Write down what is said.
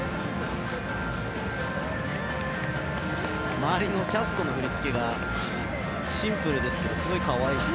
周りのキャストの振り付けがシンプルですけどすごいかわいい。